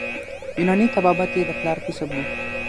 یوناني طبابت یې د پلار کسب وو.